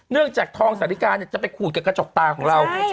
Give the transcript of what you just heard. เนื่องจากทองสรรคาจะไปขูดกับกระจกตาของเรา